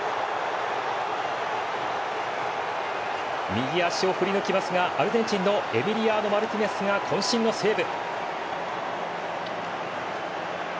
右足を振り抜きますがアルゼンチンのエミリアーノ・マルティネスがこん身のセーブ。